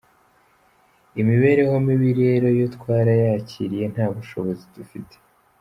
Imibereho mibi rero yo twarayakiriye nta bushobozi dufite.